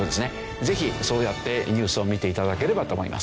ぜひそうやってニュースを見て頂ければと思います。